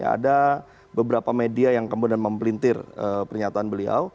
ada beberapa media yang kemudian mempelintir pernyataan beliau